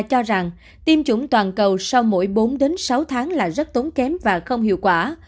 cho rằng tiêm chủng toàn cầu sau mỗi bốn đến sáu tháng là rất tốn kém và không hiệu quả